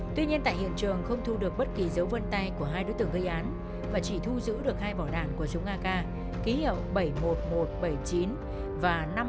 tuy nhiên tại hiện trường không thu được bất kỳ dấu vân tay của hai đối tượng gây án và chỉ thu giữ được hai bỏ đạn của súng ak ký hiệu bảy mươi một nghìn một trăm bảy mươi chín và năm mươi ba nghìn chín trăm tám mươi hai